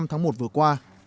hai mươi năm tháng một vừa qua